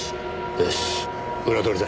よし裏取りだ。